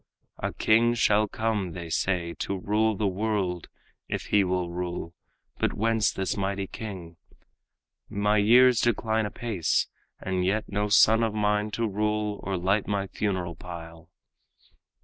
"A king shall come, they say, to rule the world, If he will rule; but whence this mighty king? My years decline apace, and yet no son Of mine to rule or light my funeral pile."